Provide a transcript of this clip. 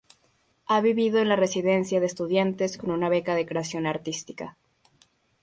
Ha vivido en la Residencia de Estudiantes con una beca de creación artística.